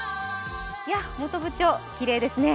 本部町、きれいですね。